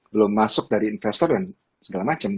belum masuk dari investor dan segala macam